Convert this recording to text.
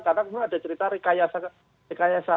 karena ada cerita rekayasa